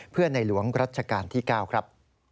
เพื่อในหลวงรัชกาลที่๙ครับ